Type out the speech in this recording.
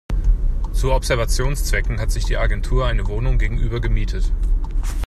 Zu Observationszwecken hat sich die Agentur eine Wohnung gegenüber gemietet.